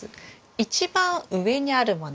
一番上にあるもの。